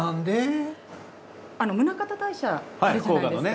宗像大社あるじゃないですか。